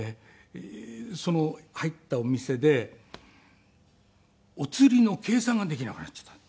その入ったお店でおつりの計算ができなくなっちゃったの。